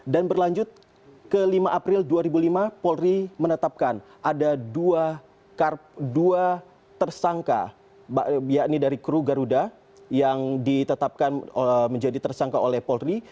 berlanjut ke lima april dua ribu lima polri menetapkan ada dua tersangka yakni dari kru garuda yang ditetapkan menjadi tersangka oleh polri